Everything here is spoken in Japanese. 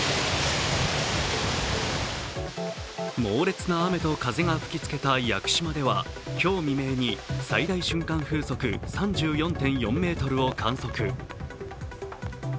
猛烈な雨と風が吹きつけた屋久島では今日未明に最大瞬間風速３４．４メートルを観測。